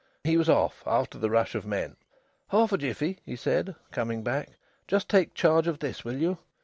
He was off, after the rush of men. "Half a jiffy," he said, coming back. "Just take charge of this, will you?"